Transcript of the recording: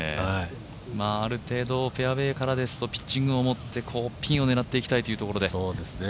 ある程度フェアウエーからですとピッチングを持ってピンを狙っていきたいというところで。